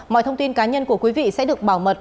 mọi thông tin cá nhân của quý vị sẽ được bảo mật